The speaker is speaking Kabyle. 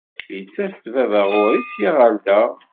Yettas-d baba ɣur-i ssya ɣer da.